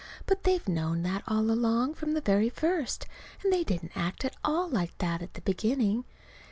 But they've known that all along, from the very first. And they didn't act at all like that at the beginning.